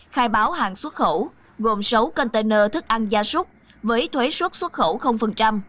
khai báo hàng xuất khẩu gồm sáu container thức ăn gia súc với thuế xuất xuất khẩu